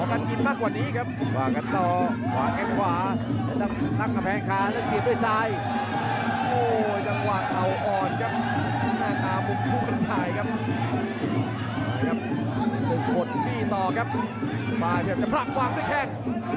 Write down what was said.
ต้นผืนไว้วางสดนี้ครับ